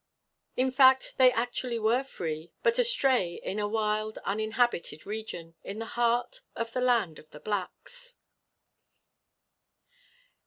In fact they actually were free, but astray in a wild, uninhabited region, in the heart of the land of the Blacks.